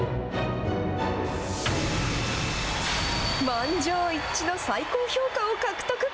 満場一致の最高評価を獲得。